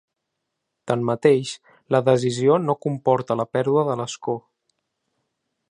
Tanmateix, la decisió no comporta la pèrdua de l’escó.